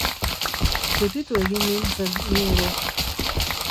Zutitu egin nintzen ni ere.